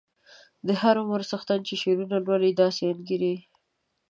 د هر عمر څښتن چې شعرونه لولي داسې انګیري.